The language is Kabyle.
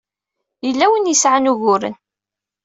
Yella win i yesɛan uguren.